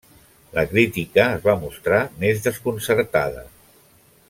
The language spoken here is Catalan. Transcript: La crítica es va mostrar més desconcertada.